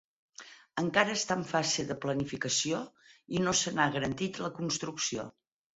Encara està en fase de planificació i no se n'ha garantit la construcció.